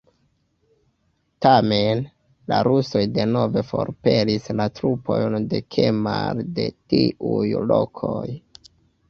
Tamen, la rusoj denove forpelis la trupojn de Kemal de tiuj lokoj.